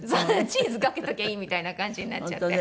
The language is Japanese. チーズかけときゃいいみたいな感じになっちゃって。